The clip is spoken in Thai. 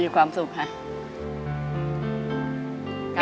มีความสุขกับหนึ่งนะครับ